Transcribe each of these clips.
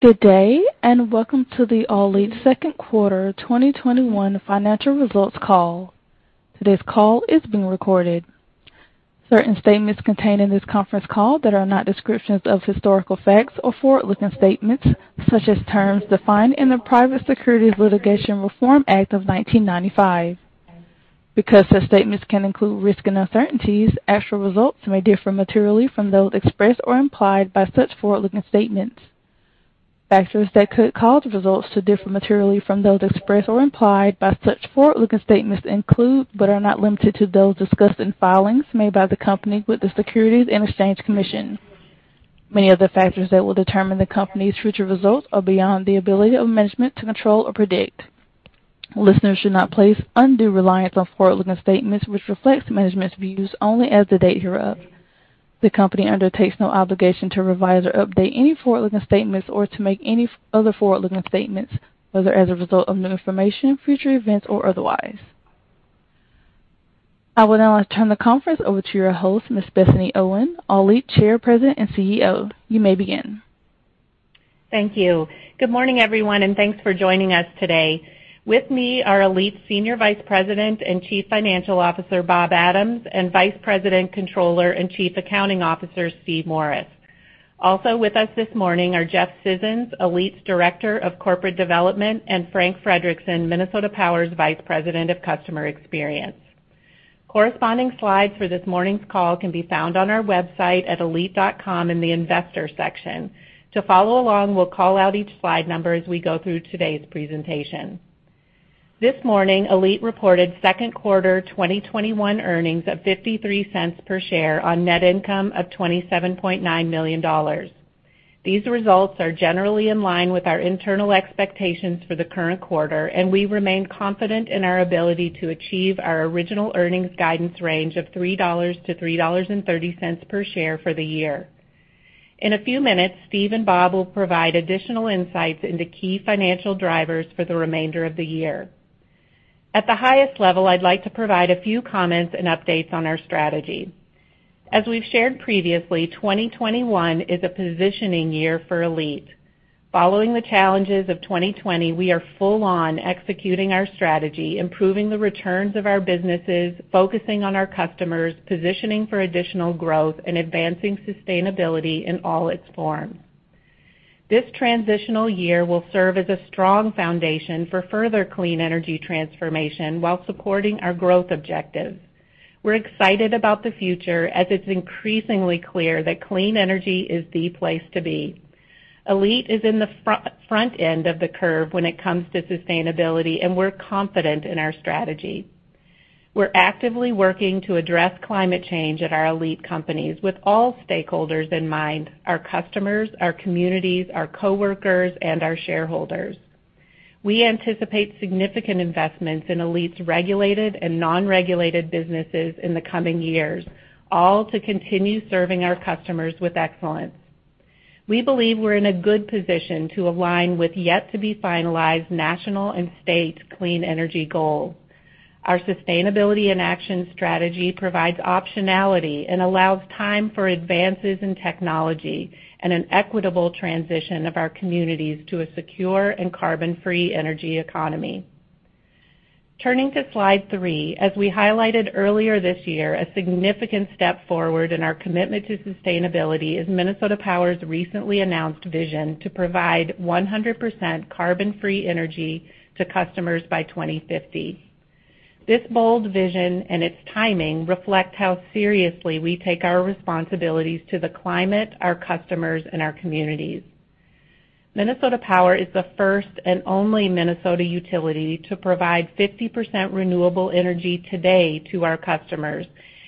Good day, and welcome to the ALLETE second quarter 2021 financial results call. Today's call is being recorded. Certain statements contained in this conference call that are not descriptions of historical facts are forward-looking statements such as terms defined in the Private Securities Litigation Reform Act of 1995. Because such statements can include risks and uncertainties, actual results may differ materially from those expressed or implied by such forward-looking statements. Factors that could cause results to differ materially from those expressed or implied by such forward-looking statements include, but are not limited to, those discussed in filings made by the company with the Securities and Exchange Commission. Many of the factors that will determine the company's future results are beyond the ability of management to control or predict. Listeners should not place undue reliance on forward-looking statements, which reflects management's views only as of the date hereof. The company undertakes no obligation to revise or update any forward-looking statements or to make any other forward-looking statements, whether as a result of new information, future events, or otherwise. I would now like to turn the conference over to your host, Ms. Bethany Owen, ALLETE Chair, President, and CEO. You may begin. Thank you. Good morning, everyone, and thanks for joining us today. With me are ALLETE Senior Vice President and Chief Financial Officer, Bob Adams, and Vice President, Controller, and Chief Accounting Officer, Steve Morris. Also with us this morning are Jeff Scissons, ALLETE's Director of Corporate Development, and Frank Frederickson, Minnesota Power's Vice President of Customer Experience. Corresponding slides for this morning's call can be found on our website at allete.com in the investor section. To follow along, we'll call out each slide number as we go through today's presentation. This morning, ALLETE reported second quarter 2021 earnings of $0.53 per share on net income of $27.9 million. These results are generally in line with our internal expectations for the current quarter. We remain confident in our ability to achieve our original earnings guidance range of $3-$3.30 per share for the year. In a few minutes, Steve and Bob will provide additional insights into key financial drivers for the remainder of the year. At the highest level, I'd like to provide a few comments and updates on our strategy. As we've shared previously, 2021 is a positioning year for ALLETE. Following the challenges of 2020, we are full on executing our strategy, improving the returns of our businesses, focusing on our customers, positioning for additional growth, and advancing sustainability in all its forms. This transitional year will serve as a strong foundation for further clean energy transformation while supporting our growth objectives. We're excited about the future, as it's increasingly clear that clean energy is the place to be. ALLETE is in the front end of the curve when it comes to sustainability, and we're confident in our strategy. We're actively working to address climate change at our ALLETE companies with all stakeholders in mind, our customers, our communities, our coworkers, and our shareholders. We anticipate significant investments in ALLETE's regulated and non-regulated businesses in the coming years, all to continue serving our customers with excellence. We believe we're in a good position to align with yet-to-be-finalized national and state clean energy goals. Our sustainability in action strategy provides optionality and allows time for advances in technology and an equitable transition of our communities to a secure and carbon-free energy economy. Turning to slide three, as we highlighted earlier this year, a significant step forward in our commitment to sustainability is Minnesota Power's recently announced vision to provide 100% carbon-free energy to customers by 2050. This bold vision and its timing reflect how seriously we take our responsibilities to the climate, our customers, and our communities. Minnesota Power is the first and only Minnesota utility to provide 50% renewable energy today to our customers,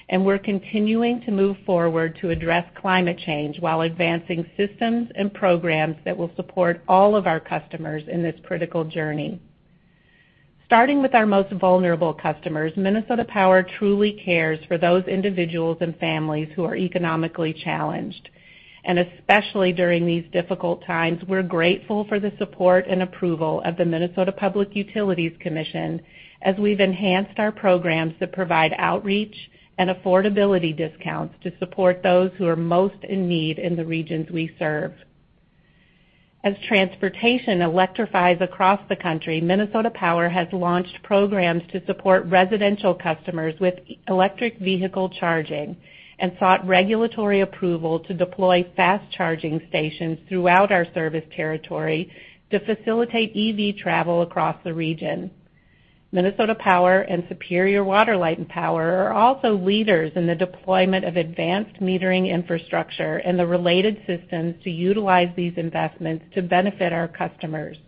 and we're continuing to move forward to address climate change while advancing systems and programs that will support all of our customers in this critical journey. Starting with our most vulnerable customers, Minnesota Power truly cares for those individuals and families who are economically challenged, and especially during these difficult times, we're grateful for the support and approval of the Minnesota Public Utilities Commission as we've enhanced our programs that provide outreach and affordability discounts to support those who are most in need in the regions we serve. As transportation electrifies across the country, Minnesota Power has launched programs to support residential customers with electric vehicle charging and sought regulatory approval to deploy fast-charging stations throughout our service territory to facilitate EV travel across the region. Minnesota Power and Superior Water, Light & Power are also leaders in the deployment of advanced metering infrastructure and the related systems to utilize these investments to benefit our customers.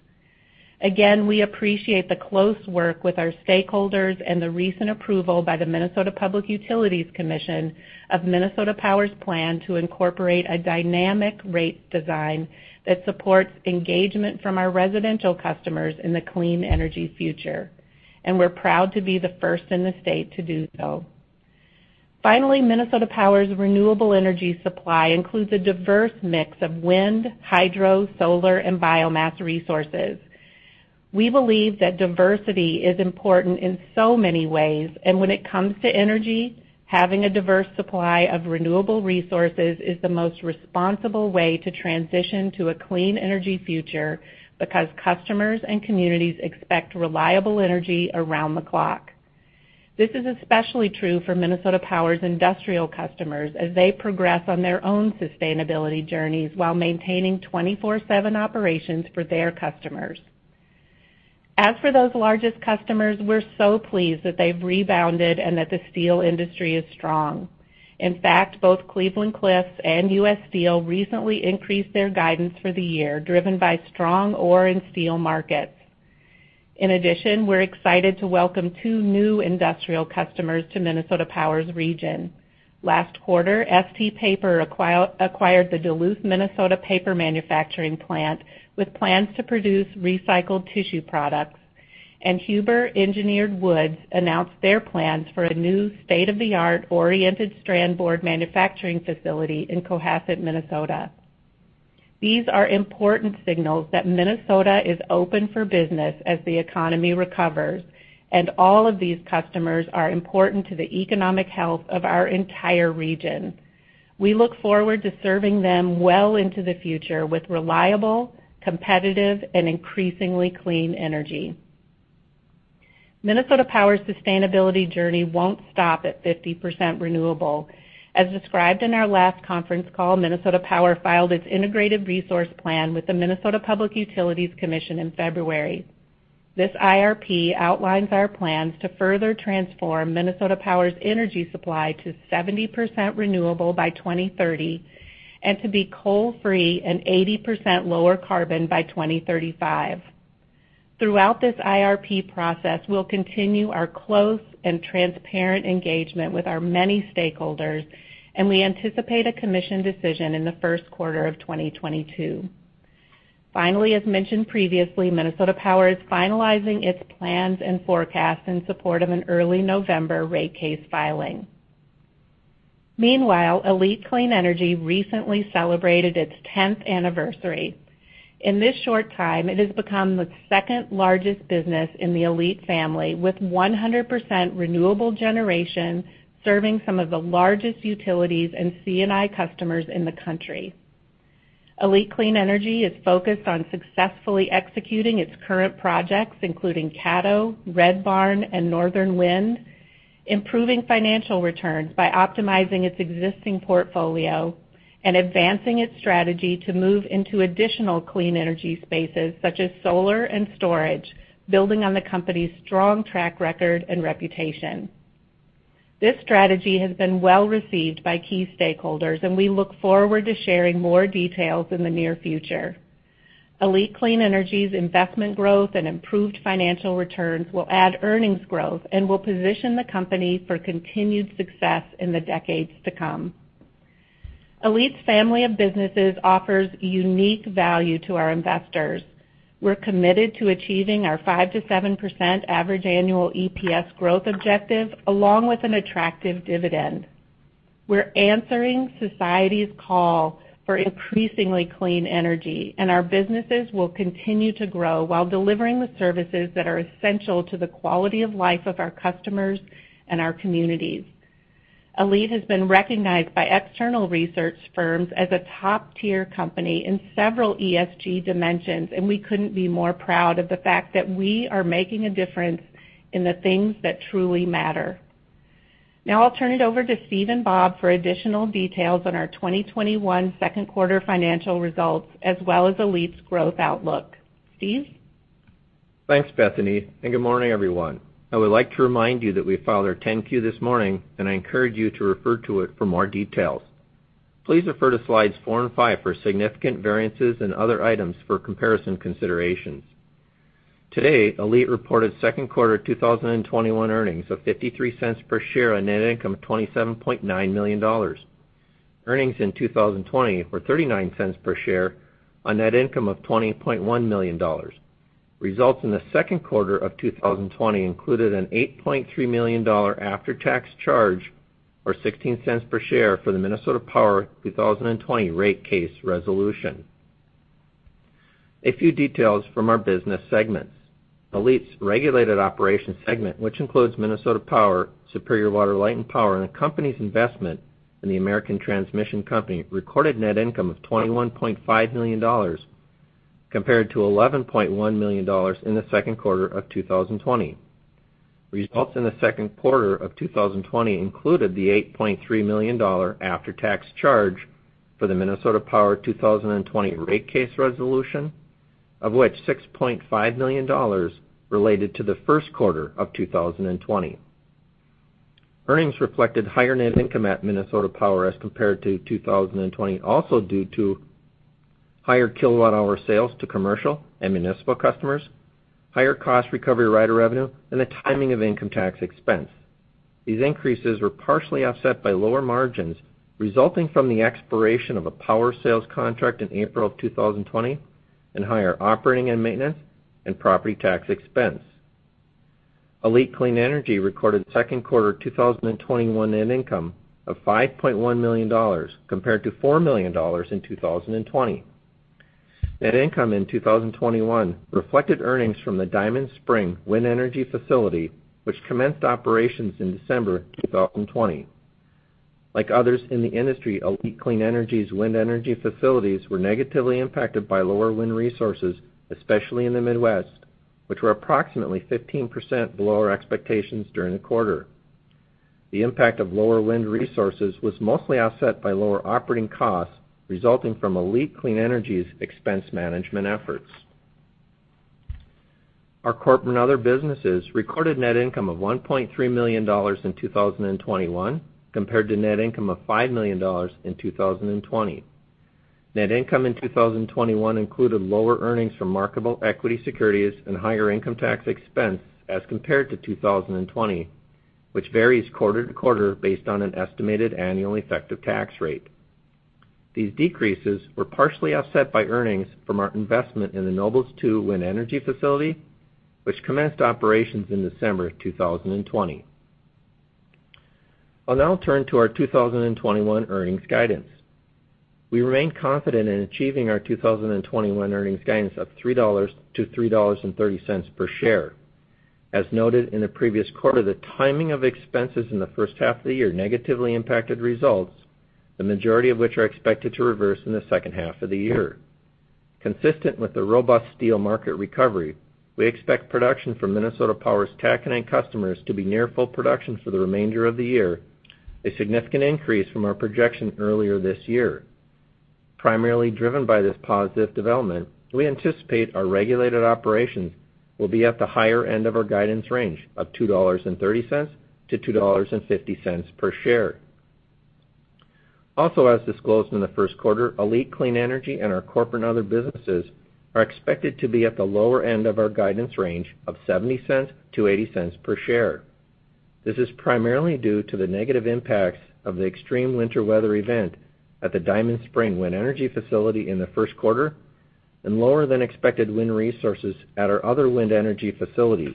We appreciate the close work with our stakeholders and the recent approval by the Minnesota Public Utilities Commission of Minnesota Power's plan to incorporate a dynamic rate design that supports engagement from our residential customers in the clean energy future, and we're proud to be the first in the state to do so. Minnesota Power's renewable energy supply includes a diverse mix of wind, hydro, solar, and biomass resources. We believe that diversity is important in so many ways. When it comes to energy, having a diverse supply of renewable resources is the most responsible way to transition to a clean energy future, because customers and communities expect reliable energy around the clock. This is especially true for Minnesota Power's industrial customers, as they progress on their own sustainability journeys while maintaining 24/7 operations for their customers. For those largest customers, we're so pleased that they've rebounded and that the steel industry is strong. Both Cleveland-Cliffs and U.S. Steel recently increased their guidance for the year, driven by strong ore and steel markets. We're excited to welcome two new industrial customers to Minnesota Power's region. Last quarter, ST Paper acquired the Duluth, Minnesota, paper manufacturing plant, with plans to produce recycled tissue products. Huber Engineered Woods announced their plans for a new state-of-the-art oriented strand board manufacturing facility in Cohasset, Minnesota. These are important signals that Minnesota is open for business as the economy recovers, all of these customers are important to the economic health of our entire region. We look forward to serving them well into the future with reliable, competitive, and increasingly clean energy. Minnesota Power's sustainability journey won't stop at 50% renewable. As described in our last conference call, Minnesota Power filed its integrated resource plan with the Minnesota Public Utilities Commission in February. This IRP outlines our plans to further transform Minnesota Power's energy supply to 70% renewable by 2030, and to be coal-free and 80% lower carbon by 2035. Throughout this IRP process, we'll continue our close and transparent engagement with our many stakeholders, and we anticipate a Commission decision in the first quarter of 2022. Finally, as mentioned previously, Minnesota Power is finalizing its plans and forecasts in support of an early November rate case filing. Meanwhile, ALLETE Clean Energy recently celebrated its 10th anniversary. In this short time, it has become the second-largest business in the ALLETE family, with 100% renewable generation, serving some of the largest utilities and C&I customers in the country. ALLETE Clean Energy is focused on successfully executing its current projects, including Caddo, Red Barn, and Northern Wind, improving financial returns by optimizing its existing portfolio, and advancing its strategy to move into additional clean energy spaces, such as solar and storage, building on the company's strong track record and reputation. This strategy has been well-received by key stakeholders, and we look forward to sharing more details in the near future. ALLETE Clean Energy's investment growth and improved financial returns will add earnings growth and will position the company for continued success in the decades to come. ALLETE's family of businesses offers unique value to our investors. We're committed to achieving our 5% to 7% average annual EPS growth objective, along with an attractive dividend. We're answering society's call for increasingly clean energy, and our businesses will continue to grow while delivering the services that are essential to the quality of life of our customers and our communities. ALLETE has been recognized by external research firms as a top-tier company in several ESG dimensions, and we couldn't be more proud of the fact that we are making a difference in the things that truly matter. Now I'll turn it over to Steve and Bob for additional details on our 2021 second quarter financial results, as well as ALLETE's growth outlook. Steve? Thanks, Bethany, and good morning, everyone. I would like to remind you that we filed our 10-Q this morning, and I encourage you to refer to it for more details. Please refer to slides four and five for significant variances and other items for comparison considerations. Today, ALLETE reported second quarter 2021 earnings of $0.53 per share on net income of $27.9 million. Earnings in 2020 were $0.39 per share on net income of $20.1 million. Results in the second quarter of 2020 included an $8.3 million after-tax charge, or $0.16 per share, for the Minnesota Power 2020 rate case resolution. A few details from our business segments. ALLETE's regulated operations segment, which includes Minnesota Power, Superior Water, Light & Power, and the company's investment in the American Transmission Company, recorded net income of $21.5 million, compared to $11.1 million in the second quarter of 2020. Results in the second quarter of 2020 included the $8.3 million after-tax charge for the Minnesota Power 2020 rate case resolution, of which $6.5 million related to the first quarter of 2020. Earnings reflected higher net income at Minnesota Power as compared to 2020 also due to higher kilowatt-hour sales to commercial and municipal customers, higher cost recovery rider revenue, and the timing of income tax expense. ALLETE Clean Energy recorded second quarter 2021 net income of $5.1 million, compared to $4 million in 2020. Net income in 2021 reflected earnings from the Diamond Spring Wind energy facility, which commenced operations in December 2020. Like others in the industry, ALLETE Clean Energy's wind energy facilities were negatively impacted by lower wind resources, especially in the Midwest, which were approximately 15% below our expectations during the quarter. The impact of lower wind resources was mostly offset by lower operating costs, resulting from ALLETE Clean Energy's expense management efforts. Our corporate and other businesses recorded net income of $1.3 million in 2021 compared to net income of $5 million in 2020. Net income in 2021 included lower earnings from marketable equity securities and higher income tax expense as compared to 2020, which varies quarter to quarter based on an estimated annual effective tax rate. These decreases were partially offset by earnings from our investment in the Nobles 2 Wind Energy facility, which commenced operations in December 2020. I'll now turn to our 2021 earnings guidance. We remain confident in achieving our 2021 earnings guidance of $3-$3.30 per share. As noted in the previous quarter, the timing of expenses in the first half of the year negatively impacted results, the majority of which are expected to reverse in the second half of the year. Consistent with the robust steel market recovery, we expect production from Minnesota Power's taconite customers to be near full production for the remainder of the year, a significant increase from our projection earlier this year. Primarily driven by this positive development, we anticipate our regulated operations will be at the higher end of our guidance range of $2.30-$2.50 per share. As disclosed in the first quarter, ALLETE Clean Energy and our corporate and other businesses are expected to be at the lower end of our guidance range of $0.70-$0.80 per share. This is primarily due to the negative impacts of the extreme winter weather event at the Diamond Spring Wind Energy facility in the first quarter, and lower than expected wind resources at our other wind energy facilities.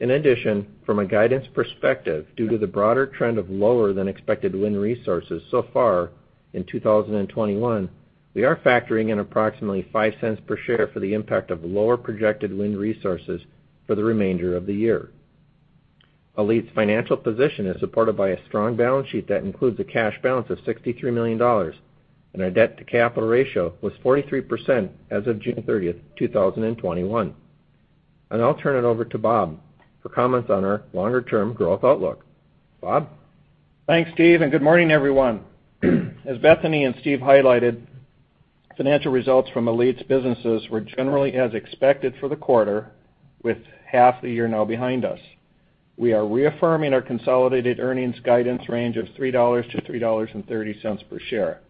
In addition, from a guidance perspective, due to the broader trend of lower than expected wind resources so far in 2021, we are factoring in approximately $0.05 per share for the impact of lower projected wind resources for the remainder of the year. ALLETE's financial position is supported by a strong balance sheet that includes a cash balance of $63 million, and our debt to capital ratio was 43% as of June 30th, 2021. I'll now turn it over to Bob for comments on our longer-term growth outlook. Bob? Thanks, Steve, and good morning, everyone. As Bethany and Steve highlighted, financial results from ALLETE's businesses were generally as expected for the quarter, with half the year now behind us. We are reaffirming our consolidated earnings guidance range of $3-$3.30 per share.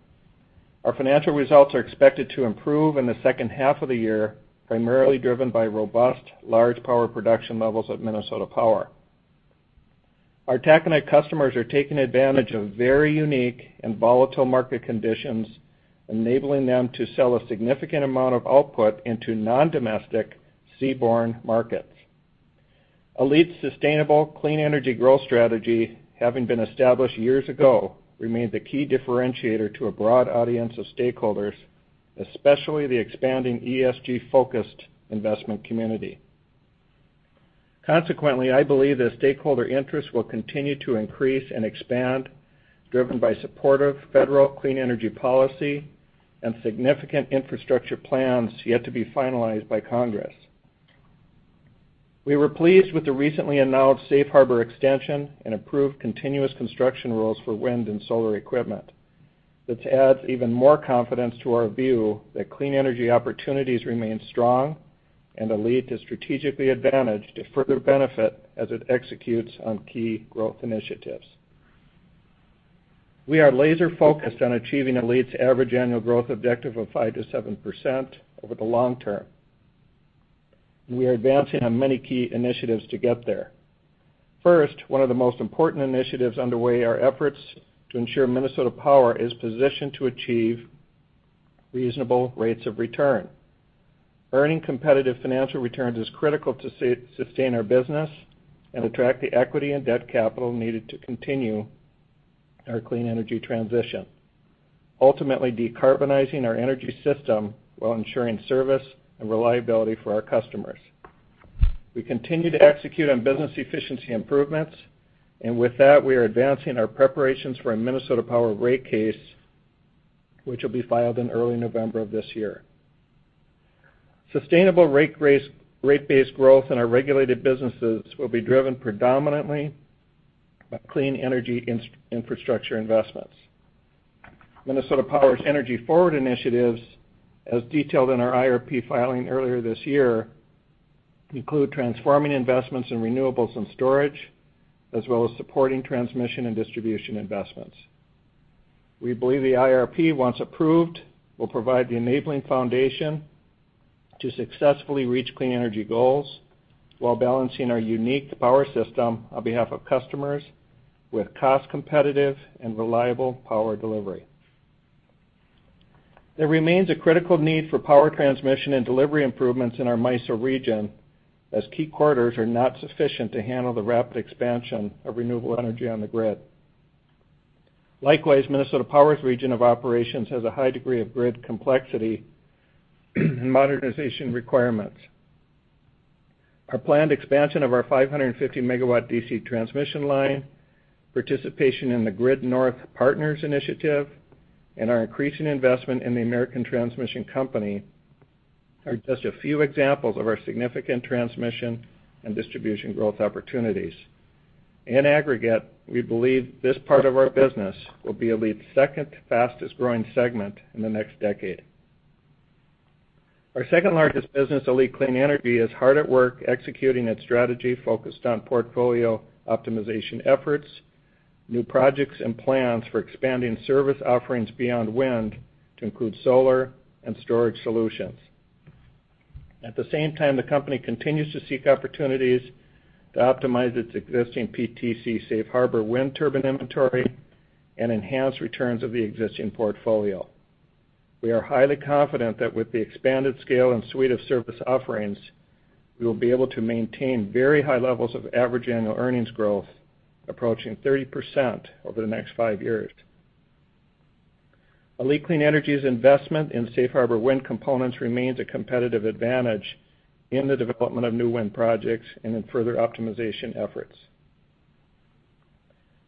Our financial results are expected to improve in the second half of the year, primarily driven by robust large power production levels at Minnesota Power. Our taconite customers are taking advantage of very unique and volatile market conditions, enabling them to sell a significant amount of output into non-domestic seaborne markets. ALLETE's sustainable clean energy growth strategy, having been established years ago, remains the key differentiator to a broad audience of stakeholders, especially the expanding ESG-focused investment community. Consequently, I believe the stakeholder interest will continue to increase and expand, driven by supportive federal clean energy policy and significant infrastructure plans yet to be finalized by Congress. We were pleased with the recently announced safe harbor extension and approved continuous construction rules for wind and solar equipment. This adds even more confidence to our view that clean energy opportunities remain strong and ALLETE is strategically advantaged to further benefit as it executes on key growth initiatives. We are laser-focused on achieving ALLETE's average annual growth objective of 5%-7% over the long term. We are advancing on many key initiatives to get there. First, one of the most important initiatives underway are efforts to ensure Minnesota Power is positioned to achieve reasonable rates of return. Earning competitive financial returns is critical to sustain our business and attract the equity and debt capital needed to continue our clean energy transition, ultimately decarbonizing our energy system while ensuring service and reliability for our customers. We continue to execute on business efficiency improvements. With that, we are advancing our preparations for a Minnesota Power rate case, which will be filed in early November of this year. Sustainable rate-based growth in our regulated businesses will be driven predominantly by clean energy infrastructure investments. Minnesota Power's EnergyForward initiatives, as detailed in our IRP filing earlier this year, include transforming investments in renewables and storage, as well as supporting transmission and distribution investments. We believe the IRP, once approved, will provide the enabling foundation to successfully reach clean energy goals while balancing our unique power system on behalf of customers with cost-competitive and reliable power delivery. There remains a critical need for power transmission and delivery improvements in our MISO region, as key corridors are not sufficient to handle the rapid expansion of renewable energy on the grid. Likewise, Minnesota Power's region of operations has a high degree of grid complexity and modernization requirements. Our planned expansion of our 550-megawatt DC transmission line, participation in the Grid North Partners initiative, and our increasing investment in the American Transmission Company, are just a few examples of our significant transmission and distribution growth opportunities. In aggregate, we believe this part of our business will be ALLETE's second fastest-growing segment in the next decade. Our second-largest business, ALLETE Clean Energy, is hard at work executing its strategy focused on portfolio optimization efforts, new projects, and plans for expanding service offerings beyond wind to include solar and storage solutions. At the same time, the company continues to seek opportunities to optimize its existing PTC Safe Harbor wind turbine inventory and enhance returns of the existing portfolio. We are highly confident that with the expanded scale and suite of service offerings, we will be able to maintain very high levels of average annual earnings growth, approaching 30% over the next five years. ALLETE Clean Energy's investment in Safe Harbor wind components remains a competitive advantage in the development of new wind projects and in further optimization efforts.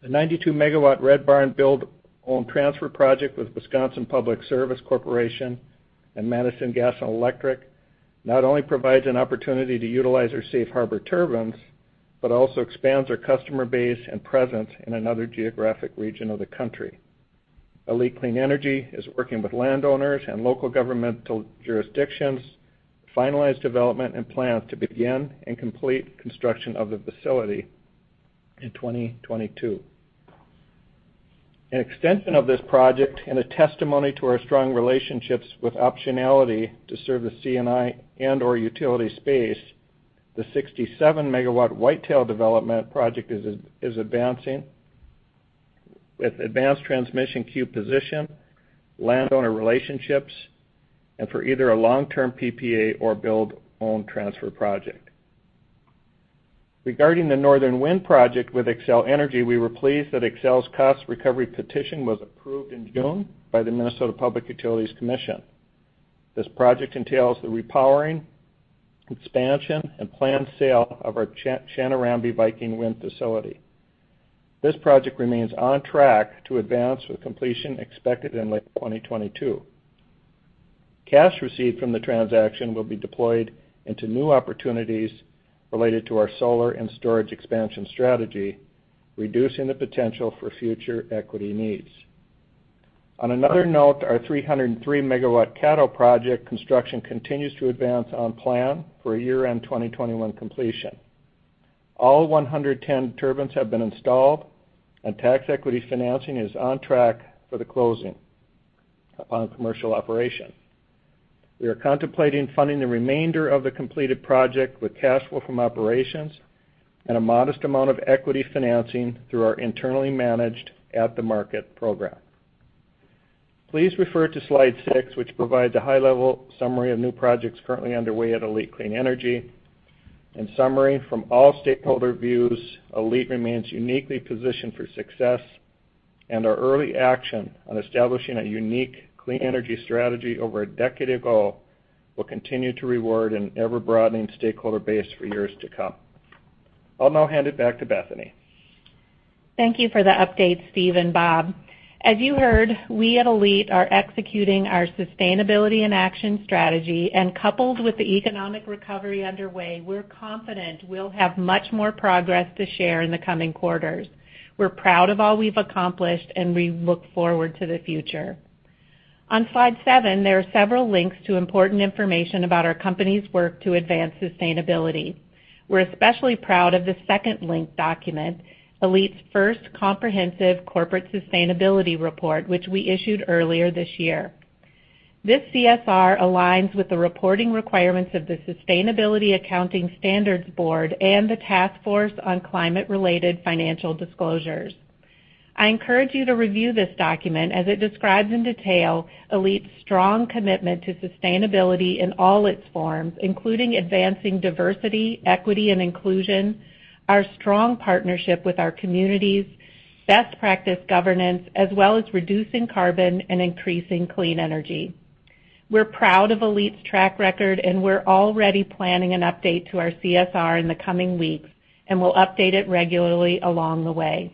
The 92-megawatt Red Barn Build-Own-Transfer project with Wisconsin Public Service Corporation and Madison Gas and Electric not only provides an opportunity to utilize our Safe Harbor turbines, but also expands our customer base and presence in another geographic region of the country. ALLETE Clean Energy is working with landowners and local governmental jurisdictions to finalize development and plans to begin and complete construction of the facility in 2022. An extension of this project and a testimony to our strong relationships with optionality to serve the C&I and/or utility space, the 67-megawatt Whitetail development project is advancing, with advanced transmission queue position, landowner relationships, and for either a long-term PPA or Build-Own-Transfer project. Regarding the Northern Wind project with Xcel Energy, we were pleased that Xcel's cost recovery petition was approved in June by the Minnesota Public Utilities Commission. This project entails the repowering, expansion, and planned sale of our Chanarambie Viking wind facility. This project remains on track to advance, with completion expected in late 2022. Cash received from the transaction will be deployed into new opportunities related to our solar and storage expansion strategy, reducing the potential for future equity needs. On another note, our 303 MW Caddo project construction continues to advance on plan for a year-end 2021 completion. All 110 turbines have been installed, and tax equity financing is on track for the closing upon commercial operation. We are contemplating funding the remainder of the completed project with cash flow from operations and a modest amount of equity financing through our internally managed at-the-market program. Please refer to slide six, which provides a high-level summary of new projects currently underway at ALLETE Clean Energy. In summary, from all stakeholder views, ALLETE remains uniquely positioned for success, and our early action on establishing a unique clean energy strategy over a decade ago will continue to reward an ever-broadening stakeholder base for years to come. I'll now hand it back to Bethany. Thank you for the update, Steve and Bob. As you heard, we at ALLETE are executing our sustainability and action strategy. Coupled with the economic recovery underway, we're confident we'll have much more progress to share in the coming quarters. We're proud of all we've accomplished. We look forward to the future. On slide seven, there are several links to important information about our company's work to advance sustainability. We're especially proud of the second link document, ALLETE's first comprehensive corporate sustainability report, which we issued earlier this year. This CSR aligns with the reporting requirements of the Sustainability Accounting Standards Board and the Task Force on Climate-related Financial Disclosures. I encourage you to review this document, as it describes in detail ALLETE's strong commitment to sustainability in all its forms, including advancing diversity, equity, and inclusion, our strong partnership with our communities, best practice governance, as well as reducing carbon and increasing clean energy. We're proud of ALLETE's track record, and we're already planning an update to our CSR in the coming weeks, and we'll update it regularly along the way.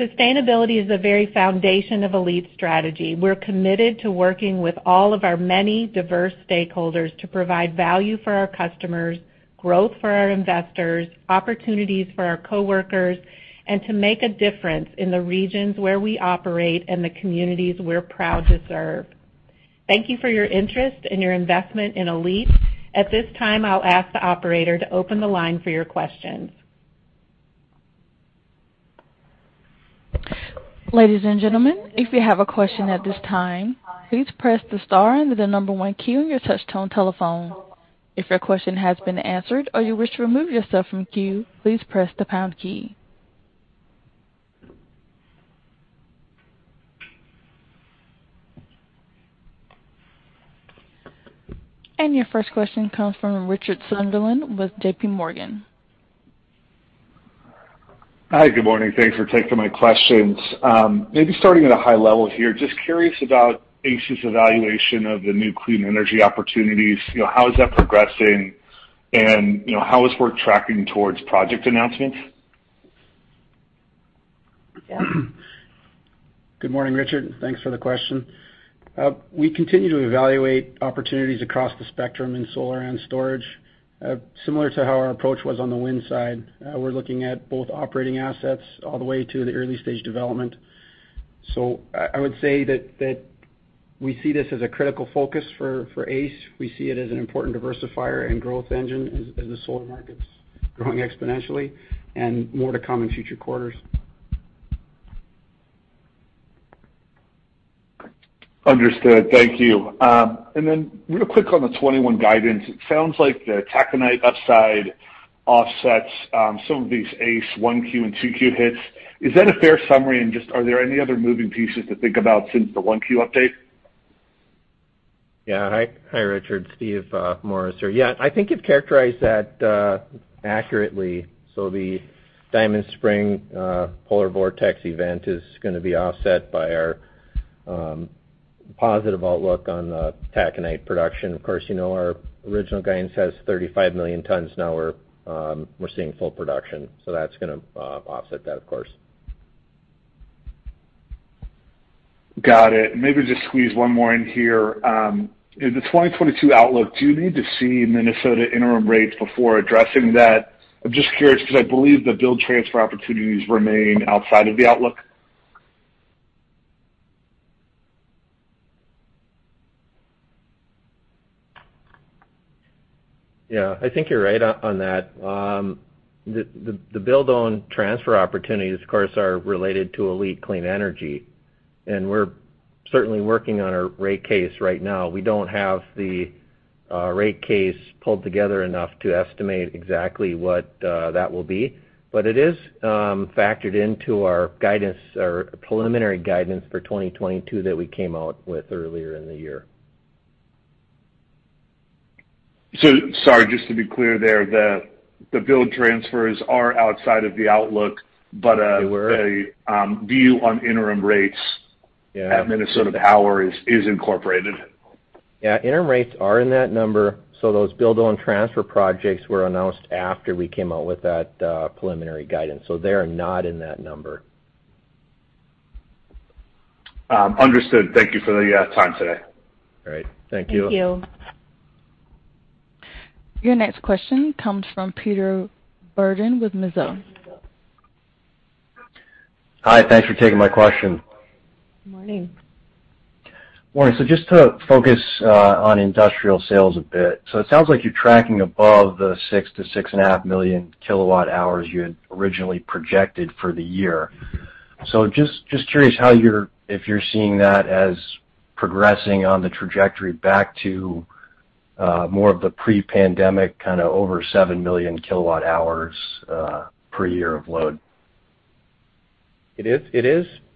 Sustainability is the very foundation of ALLETE's strategy. We're committed to working with all of our many diverse stakeholders to provide value for our customers, growth for our investors, opportunities for our coworkers, and to make a difference in the regions where we operate and the communities we're proud to serve. Thank you for your interest and your investment in ALLETE. At this time, I'll ask the operator to open the line for your questions. Your first question comes from Richard Sunderland with JPMorgan. Hi, good morning. Thanks for taking my questions. Maybe starting at a high level here, just curious about ACE's evaluation of the new clean energy opportunities. How is that progressing, and how is work tracking towards project announcements? Good morning, Richard. Thanks for the question. We continue to evaluate opportunities across the spectrum in solar and storage. Similar to how our approach was on the wind side, we're looking at both operating assets all the way to the early-stage development. I would say that we see this as a critical focus for ACE. We see it as an important diversifier and growth engine as the solar market's growing exponentially, and more to come in future quarters. Understood. Thank you. Real quick on the 2021 guidance, it sounds like the taconite upside offsets some of these ACE 1Q and 2Q hits. Is that a fair summary, and just are there any other moving pieces to think about since the 1Q update? Yeah. Hi, Richard. Steve Morris here. Yeah, I think you've characterized that accurately. The Diamond Spring polar vortex event is going to be offset by our positive outlook on taconite production. Of course, you know our original guidance has 35 million tons. Now we're seeing full production. That's going to offset that, of course. Got it. Maybe just squeeze one more in here. In the 2022 outlook, do you need to see Minnesota interim rates before addressing that? I'm just curious because I believe the build transfer opportunities remain outside of the outlook. Yeah, I think you're right on that. The Build-Own-Transfer opportunities, of course, are related to ALLETE Clean Energy, and we're certainly working on our rate case right now. We don't have the rate case pulled together enough to estimate exactly what that will be, but it is factored into our preliminary guidance for 2022 that we came out with earlier in the year. Sorry, just to be clear there, the build transfers are outside of the outlook. They were a view on interim rates. Yeah at Minnesota Power is incorporated. Yeah, interim rates are in that number. Those Build-Own-Transfer projects were announced after we came out with that preliminary guidance. They are not in that number. Understood. Thank you for the time today. All right. Thank you. Thank you. Your next question comes from Peter Bourdon with Mizuho. Hi, thanks for taking my question. Good morning. Morning. Just to focus on industrial sales a bit. It sounds like you're tracking above the 6 million-6.5 million kW hours you had originally projected for the year. Just curious if you're seeing that as progressing on the trajectory back to more of the pre-pandemic over 7 million kW hours per year of load.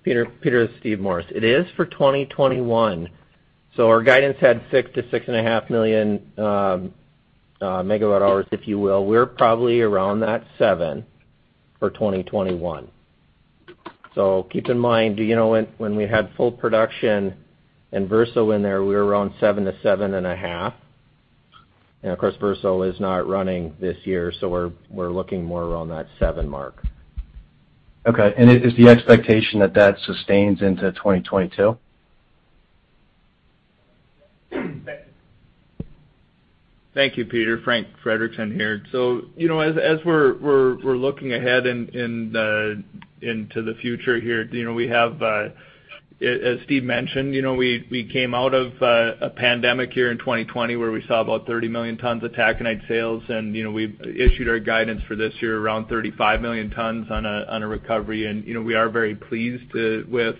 Peter, Steve Morris. It is for 2021. Our guidance had 6 million-6.5 million MW hours, if you will. We're probably around that 7 for 2021. Keep in mind, when we had full production and Verso in there, we were around 7 million-7.5 million. Of course, Verso is not running this year, so we're looking more around that 7 mark. Okay. Is the expectation that that sustains into 2022? Thank you, Peter. Frank Frederickson here. As we're looking ahead into the future here, as Steve mentioned, we came out of a pandemic year in 2020 where we saw about 30 million tons of taconite sales, and we issued our guidance for this year around 35 million tons on a recovery. We are very pleased with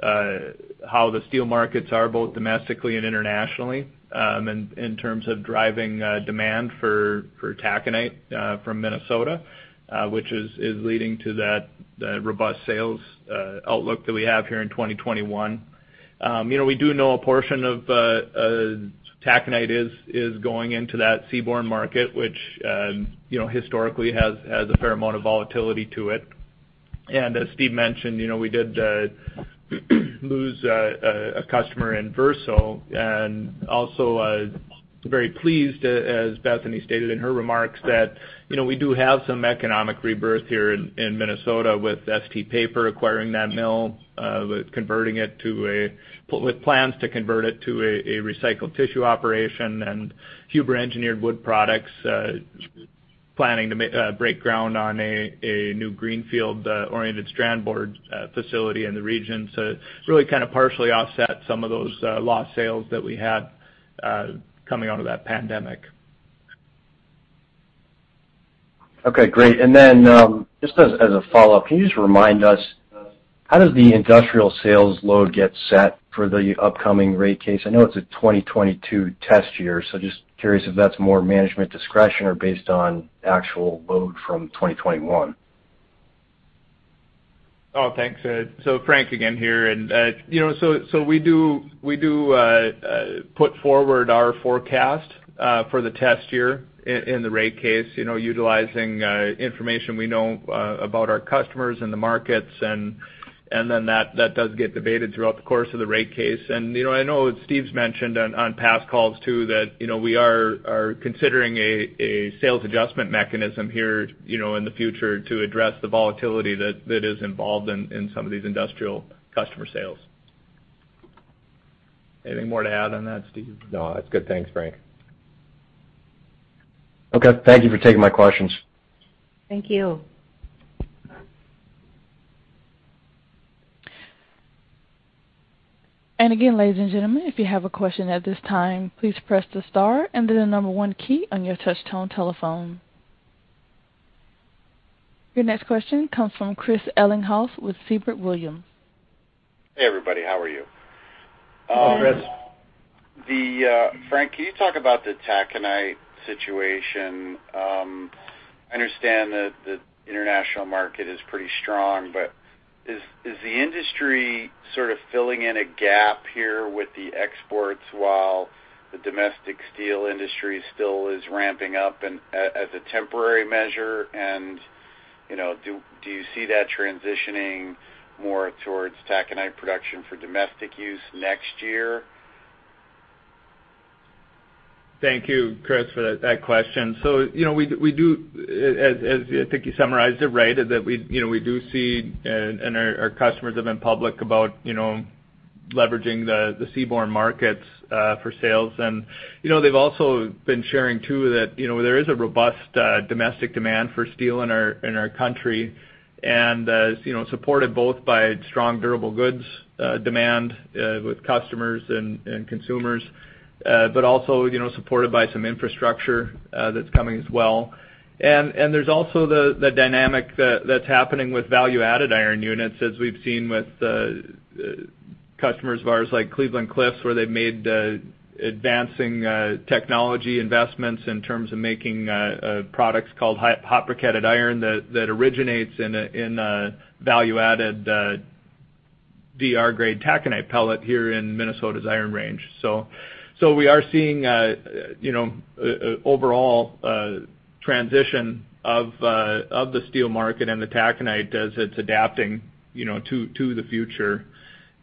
how the steel markets are, both domestically and internationally in terms of driving demand for taconite from Minnesota, which is leading to that robust sales outlook that we have here in 2021. We do know a portion of taconite is going into that seaborne market, which historically has had a fair amount of volatility to it. As Steve mentioned, we did lose a customer in Verso. Also very pleased, as Bethany stated in her remarks, that we do have some economic rebirth here in Minnesota with ST Paper acquiring that mill with plans to convert it to a recycled tissue operation and Huber Engineered Woods planning to break ground on a new greenfield oriented strand board facility in the region. It's really kind of partially offset some of those lost sales that we had coming out of that pandemic. Okay, great. Just as a follow-up, can you just remind us how does the industrial sales load get set for the upcoming rate case? I know it's a 2022 test year, so just curious if that's more management discretion or based on actual load from 2021. Oh, thanks, Peter Bourdon. Frank again here. We do put forward our forecast for the test year in the rate case, utilizing information we know about our customers and the markets, and then that does get debated throughout the course of the rate case. I know Steve's mentioned on past calls too, that we are considering a sales adjustment mechanism here in the future to address the volatility that is involved in some of these industrial customer sales. Anything more to add on that, Steve? No, that's good. Thanks, Frank. Okay. Thank you for taking my questions. Thank you. Your next question comes from Chris Ellinghaus with Siebert Williams Shank. Hey, everybody. How are you? Hello, Chris. Frank, can you talk about the taconite situation? I understand that the international market is pretty strong, but is the industry sort of filling in a gap here with the exports while the domestic steel industry still is ramping up and as a temporary measure? Do you see that transitioning more towards taconite production for domestic use next year? Thank you, Chris, for that question. We do, as I think you summarized it, right, that we do see, and our customers have been public about leveraging the seaborne markets for sales. They've also been sharing too that there is a robust domestic demand for steel in our country and is supported both by strong durable goods demand with customers and consumers, but also supported by some infrastructure that's coming as well. There's also the dynamic that's happening with value-added iron units, as we've seen with customers of ours like Cleveland-Cliffs, where they've made advancing technology investments in terms of making products called Hot Briquetted Iron that originates in a value-added DR-grade taconite pellet here in Minnesota's Iron Range. We are seeing an overall transition of the steel market and the taconite as it's adapting to the future.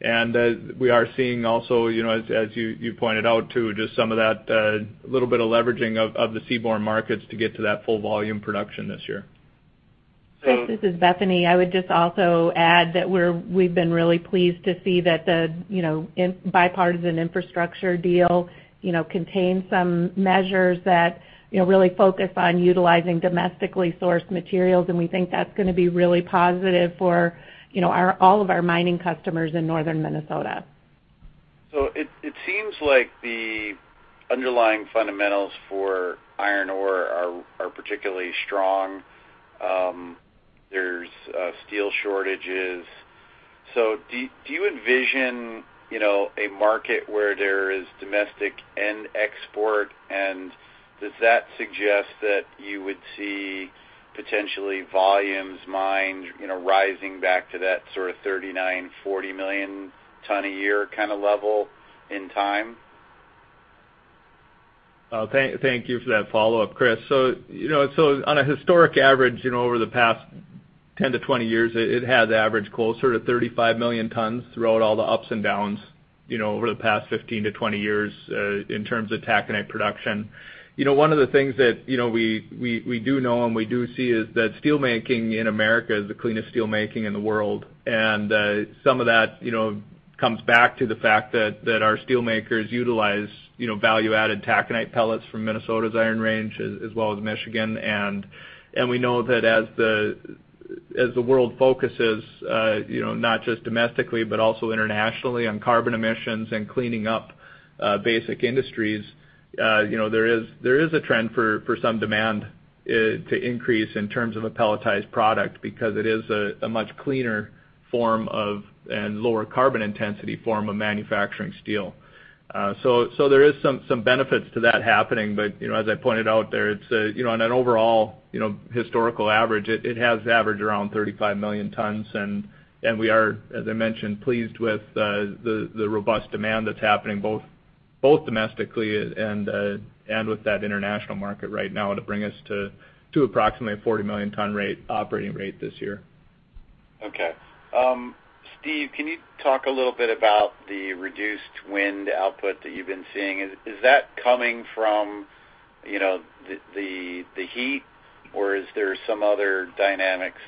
We are seeing also, as you pointed out too, just some of that little bit of leveraging of the seaborne markets to get to that full volume production this year. Chris, this is Bethany. I would just also add that we've been really pleased to see that the bipartisan infrastructure deal contains some measures that really focus on utilizing domestically sourced materials, and we think that's going to be really positive for all of our mining customers in Northern Minnesota. It seems like the underlying fundamentals for iron ore are particularly strong. There's steel shortages. Do you envision a market where there is domestic and export, and does that suggest that you would see potentially volumes mined rising back to that sort of 39 million-40 million tons a year kind of level in time? Thank you for that follow-up, Chris. On a historic average over the past 10-20 years, it has averaged closer to 35 million tons throughout all the ups and downs over the past 15-20 years in terms of taconite production. One of the things that we do know and we do see is that steel making in America is the cleanest steel making in the world, and some of that comes back to the fact that our steel makers utilize value-added taconite pellets from Minnesota's Iron Range as well as Michigan. We know that as the world focuses, not just domestically, but also internationally on carbon emissions and cleaning up basic industries, there is a trend for some demand to increase in terms of a pelletized product because it is a much cleaner form of, and lower carbon intensity form of manufacturing steel. There is some benefits to that happening, but as I pointed out there, on an overall historical average, it has averaged around 35 million tons, and we are, as I mentioned, pleased with the robust demand that's happening both domestically and with that international market right now to bring us to approximately a 40 million ton operating rate this year. Okay. Steve, can you talk a little bit about the reduced wind output that you've been seeing? Is that coming from the heat, or is there some other dynamics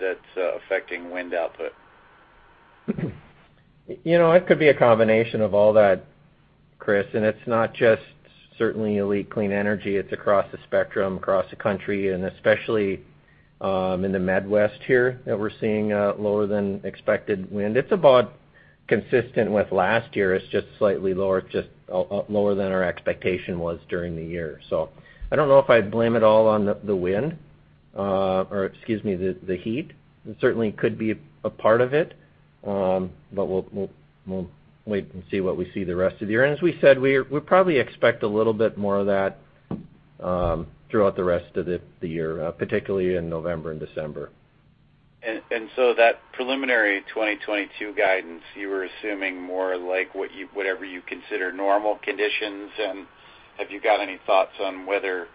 that's affecting wind output? It could be a combination of all that, Chris, and it's not just certainly ALLETE Clean Energy. It's across the spectrum, across the country, and especially in the Midwest here that we're seeing lower than expected wind. It's about consistent with last year. It's just slightly lower than our expectation was during the year. I don't know if I'd blame it all on the wind, or excuse me, the heat. It certainly could be a part of it. We'll wait and see what we see the rest of the year. As we said, we probably expect a little bit more of that. throughout the rest of the year, particularly in November and December. That preliminary 2022 guidance, you were assuming more like whatever you consider normal conditions. Have you got any thoughts on whether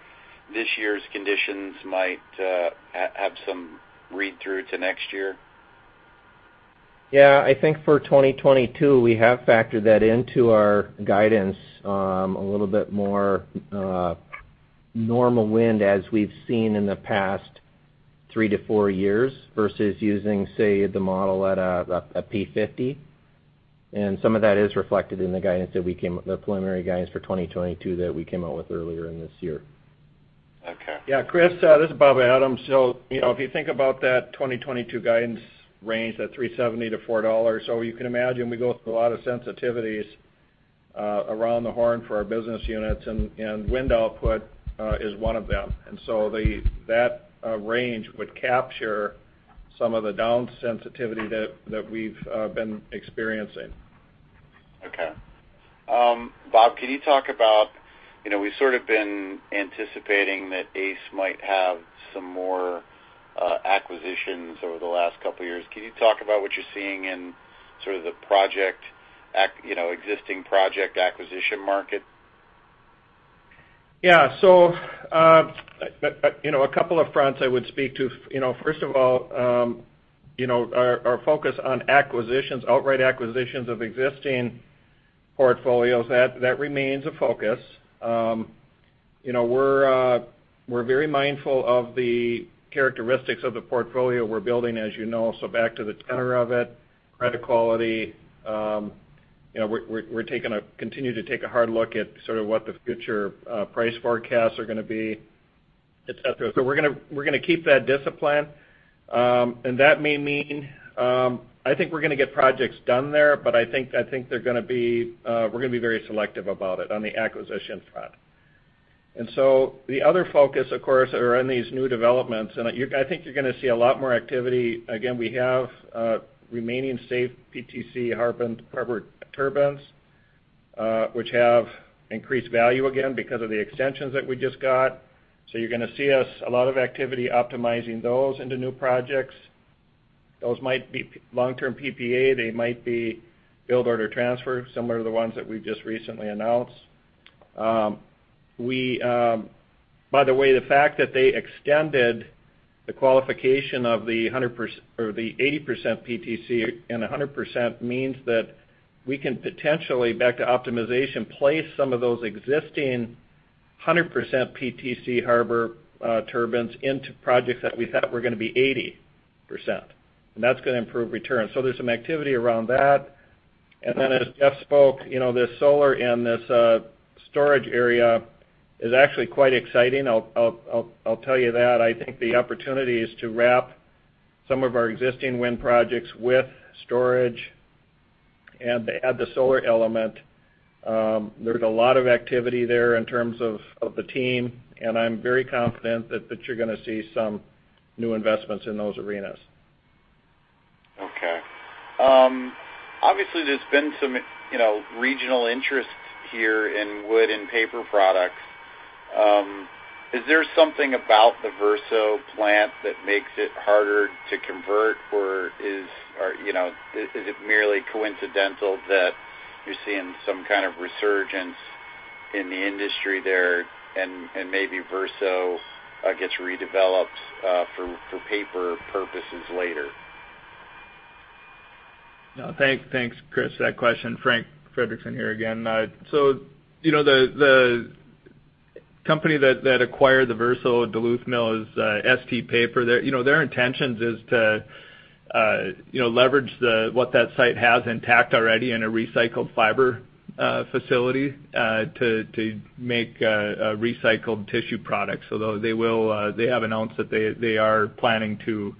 this year's conditions might have some read-through to next year? Yeah. I think for 2022, we have factored that into our guidance, a little bit more normal wind as we've seen in the past three to four years versus using, say, the model at a P50. Some of that is reflected in the preliminary guidance for 2022 that we came out with earlier in this year. Okay. Yeah, Chris, this is Robert Adams. If you think about that 2022 guidance range, that $3.70-$4.00, you can imagine we go through a lot of sensitivities around the horn for our business units, and wind output is one of them. That range would capture some of the down sensitivity that we've been experiencing. Okay. Bob, we've sort of been anticipating that ACE might have some more acquisitions over the last couple of years. Can you talk about what you're seeing in the existing project acquisition market? Yeah. A couple of fronts I would speak to. First of all, our focus on acquisitions, outright acquisitions of existing portfolios, that remains a focus. We're very mindful of the characteristics of the portfolio we're building, as you know. Back to the tenor of it, credit quality. We're continue to take a hard look at what the future price forecasts are going to be, et cetera. We're going to keep that discipline. That may mean, I think we're going to get projects done there, but I think we're going to be very selective about it on the acquisition front. The other focus, of course, are in these new developments. I think you're going to see a lot more activity. Again, we have remaining Safe PTC Harbor turbines, which have increased value again because of the extensions that we just got. You're going to see us, a lot of activity optimizing those into new projects. Those might be long-term PPA. They might be Build-Own-Transfer, similar to the ones that we've just recently announced. By the way, the fact that they extended the qualification of the 80% PTC and 100% means that we can potentially, back to optimization, place some of those existing 100% PTC Safe Harbor turbines into projects that we thought were going to be 80%. That's going to improve returns. There's some activity around that. As Jeff spoke, this solar and this storage area is actually quite exciting. I'll tell you that. I think the opportunity is to wrap some of our existing wind projects with storage and add the solar element. There's a lot of activity there in terms of the team, and I'm very confident that you're going to see some new investments in those arenas. Obviously, there's been some regional interest here in wood and paper products. Is there something about the Verso plant that makes it harder to convert, or is it merely coincidental that you're seeing some kind of resurgence in the industry there, and maybe Verso gets redeveloped for paper purposes later? Thanks, Chris, for that question. Frank Frederickson here again. The company that acquired the Verso Duluth Mill is ST Paper. Their intention is to leverage what that site has intact already in a recycled fiber facility, to make recycled tissue products. They have announced that they are planning to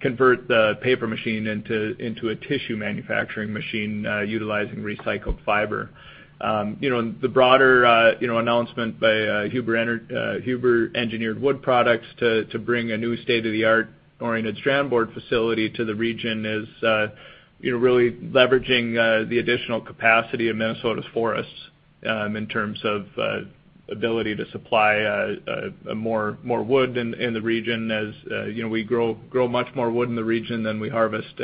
convert the paper machine into a tissue manufacturing machine, utilizing recycled fiber. The broader announcement by Huber Engineered Woods to bring a new state-of-the-art oriented strand board facility to the region is really leveraging the additional capacity of Minnesota's forests, in terms of ability to supply more wood in the region, as we grow much more wood in the region than we harvest.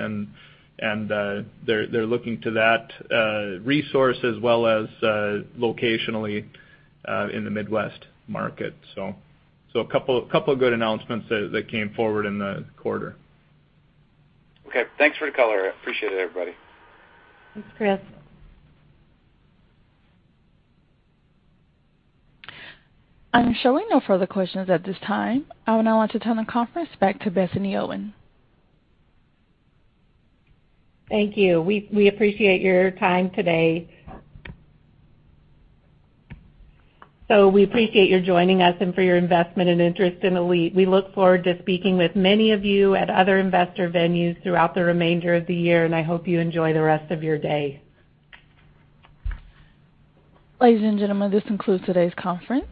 They're looking to that resource as well as locationally in the Midwest market. A couple of good announcements that came forward in the quarter. Okay. Thanks for the color. Appreciate it, everybody. Thanks, Chris. I'm showing no further questions at this time. I would now like to turn the conference back to Bethany Owen. Thank you. We appreciate your time today. We appreciate your joining us and for your investment and interest in ALLETE. We look forward to speaking with many of you at other investor venues throughout the remainder of the year, and I hope you enjoy the rest of your day. Ladies and gentlemen, this concludes today's conference.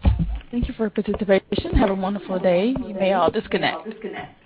Thank you for your participation. Have a wonderful day. You may all disconnect.